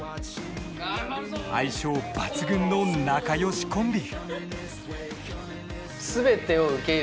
相性抜群の仲良しコンビ。